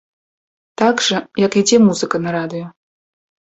Так жа, як ідзе музыка на радыё.